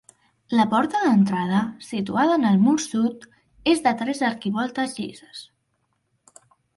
La porta d'entrada, situada en el mur sud, és de tres arquivoltes llises.